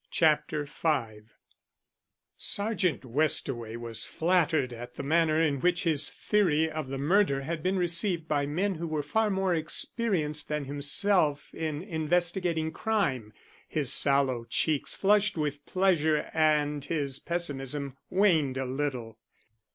CHAPTER V SERGEANT WESTAWAY was flattered at the manner in which his theory of the murder had been received by men who were far more experienced than himself in investigating crime. His sallow cheeks flushed with pleasure and his pessimism waned a little.